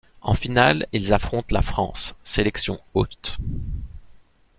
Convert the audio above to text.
En finale ils affrontent la France, sélection hôte.